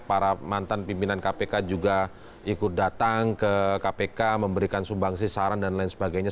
para mantan pimpinan kpk juga ikut datang ke kpk memberikan sumbangsi saran dan lain sebagainya